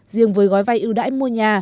riêng với gói vai ưu đãi mua nhà